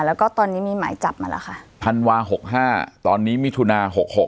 แล้วก็ตอนนี้มีหมายจับมาแล้วค่ะธันวา๖๕ตอนนี้มิถุนา๖๖